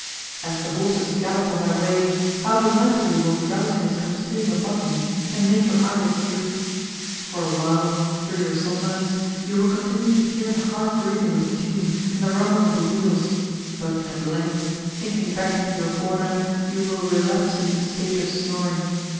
As the horses gallop on their way, how delightfully will drowsiness come stealing upon you, and make your eyelids droop! For a while, through your somnolence, you will continue to hear the hard breathing of the team and the rumbling of the wheels; but at length, sinking back into your corner, you will relapse into the stage of snoring.